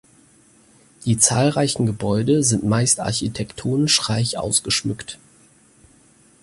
Die zahlreichen Gebäude sind meist architektonisch reich ausgeschmückt.